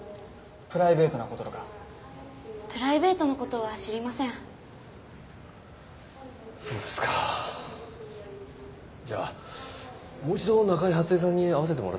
プライベートなこととかプライベートのことは知りませんそうですかじゃあもう一度中井初枝さんに会わせてもらってもいいですか？